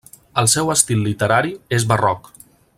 El seu estil literari és barroc.